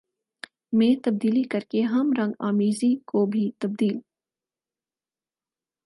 میں تبدیلی کر کے ہم رنگ آمیزی کو بھی تبدیل